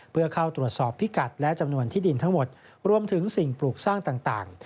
เพื่อเข้าตรวจสอบพิกัดและจำนวนที่ดินทั้งหมดรวมถึงสิ่งปลูกสร้างต่าง